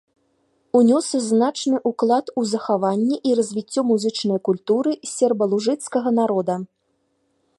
Унёс значны ўклад у захаванне і развіццё музычнай культуры сербалужыцкага народа.